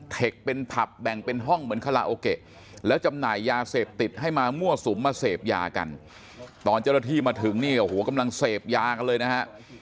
ตอนเจ้านาที่มาถึงกำลังเสพยากันเลยนะคะ